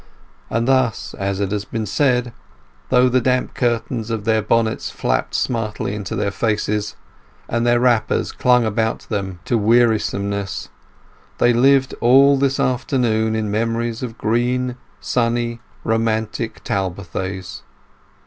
And thus, as has been said, though the damp curtains of their bonnets flapped smartly into their faces, and their wrappers clung about them to wearisomeness, they lived all this afternoon in memories of green, sunny, romantic Talbothays.